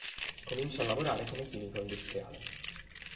Comincia a lavorare come chimico industriale.